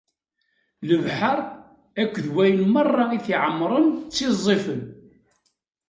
Lebḥer akked wayen merra i t-iɛemren, ttiẓẓifen.